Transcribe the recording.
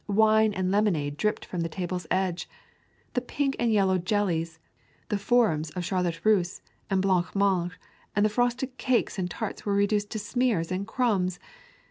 Wine and lemonade dripped from the table's edge. The pink and yellow jellies, the forms of Charlotte Russe and blanc mange and the frosted cakes and tarts were reduced to smears and crumbs.